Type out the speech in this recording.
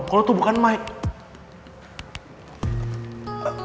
kalo itu bukan mike